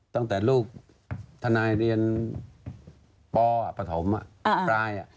ตั้งแต่ลูกทนายเรียนปปฐมปลาย